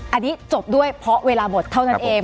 อันนี้จบด้วยเพราะเวลาบทเท่านั้นเอง